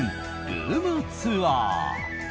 ルームツアー！